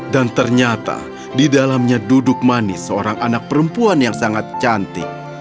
dan ternyata di dalamnya duduk manis seorang anak perempuan yang sangat cantik